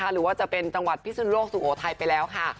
หรือจะเป็นตลาดพิสือนุโลกสุโหย์ไทยไปแล้ว